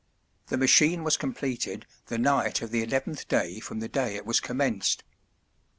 The machine was completed the night of the eleventh day from the day it was commenced.